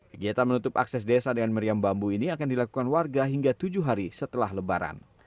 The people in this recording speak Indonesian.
kegiatan menutup akses desa dengan meriam bambu ini akan dilakukan warga hingga tujuh hari setelah lebaran